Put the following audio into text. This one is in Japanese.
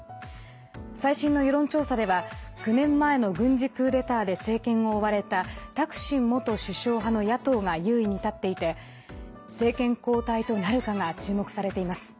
最新の世論調査では９年前の軍事クーデターで政権を追われたタクシン元首相派の野党が優位に立っていて政権交代となるかが注目されています。